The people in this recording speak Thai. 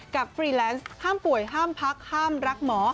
ฟรีแลนซ์ห้ามป่วยห้ามพักห้ามรักหมอ